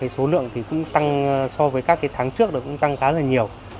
số lượng cũng tăng so với các tháng trước cũng tăng khá là nhiều